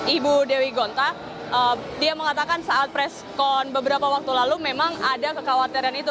ibu dewi gonta dia mengatakan saat preskon beberapa waktu lalu memang ada kekhawatiran itu